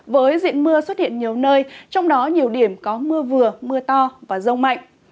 với diện mưa xuất hiện nhiều nơi trong đó nhiều điểm có mưa vừa mưa to và rông mạnh